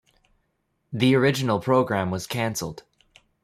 The original program was cancelled.